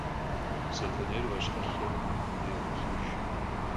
Setenêyr kheşhelheme ğune yiumılhıjj.